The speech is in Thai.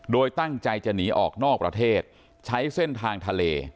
โดยตั้งใจจะหนีออกนอกประเทศใช้เส้นทางทะเล